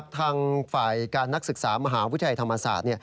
ทางฝ่ายการนักศึกษามหาวิทยาลัยธรรมศาสตร์